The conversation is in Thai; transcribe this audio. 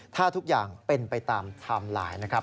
ถ้าทุกอย่างเป็นไปตามไทม์ไลน์นะครับ